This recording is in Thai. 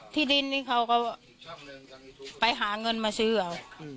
ที่ดินนี่เขาก็ไปหาเงินมาซื้อเอา